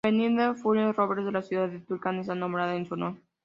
La avenida Julio Robles de la ciudad de Tulcán está nombrada en su honor.